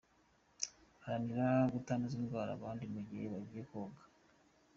Haranira kutanduza indwara abandi mu gihe wagiye koga.